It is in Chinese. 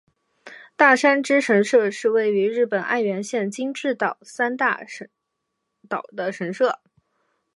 大山只神社是位在日本爱媛县今治市大三岛的神社。